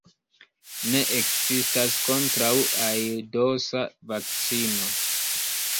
Ne ekzistas kontraŭ-aidosa vakcino.